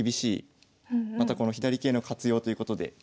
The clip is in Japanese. またこの左桂の活用ということで。